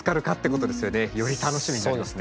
より楽しみになりますね。